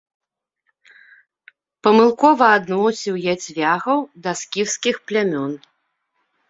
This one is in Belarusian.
Памылкова адносіў ятвягаў да скіфскіх плямён.